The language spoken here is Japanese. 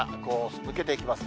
抜けていきますね。